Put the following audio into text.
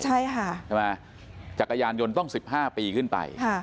ใช่ค่ะจากอายานยนต์ต้อง๑๕ปีขึ้นไป